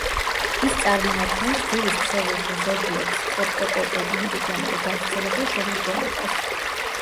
ის წარმოადგენს, გულის ქსოვილში ზოგიერთ სტრეპტოკოკულ–ანტიგენური გავრცელებულ შემადგენლობას.